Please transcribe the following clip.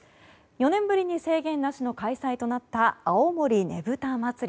４年ぶりに制限なしの開催となった青森ねぶた祭。